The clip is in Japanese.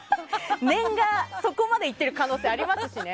念が、そこまでいっている可能性ありますしね。